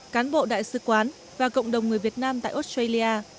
cán bộ đại sứ quán và cộng đồng người việt nam tại australia